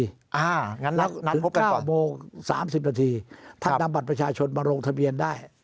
ถึง๙โมง๓๐นาทีท่านดำบัดประชาชนมาลงทะเบียนได้